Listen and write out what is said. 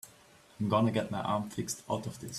I'm gonna get my arm fixed out of this.